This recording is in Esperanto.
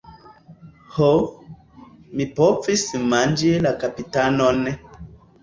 Ho, mi povis manĝi la kapitanon.